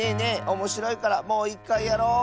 おもしろいからもういっかいやろう！